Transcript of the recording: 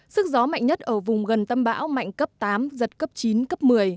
sức gió mạnh nhất ở vùng gần tâm bão mạnh cấp tám giật cấp chín cấp một mươi